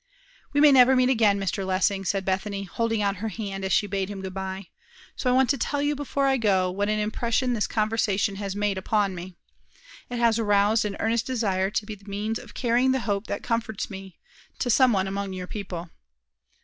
"We may never meet again, Mr. Lessing," said Bethany, holding out her hand as she bade him good bye. "So I want to tell you before I go, what an impression this conversation has made upon me. It has aroused an earnest desire to be the means of carrying the hope that comforts me, to some one among your people."